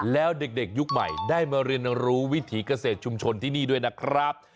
แล้วเด็กยุคใหม่ได้มาเรียนรู้วิถีเกษตรชุมชนที่นี่ด้วยนะครับ